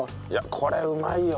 これうまいよ。